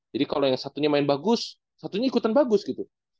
jadi kalau yang satunya main bagus satunya ikutan bagus gitu